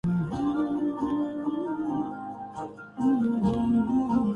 میں اس کے لیے مقامات مخصوص ہیں۔